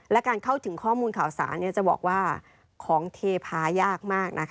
และการเข้าถึงข้อมูลข่าวสารจะบอกว่าของเทพายากมากนะ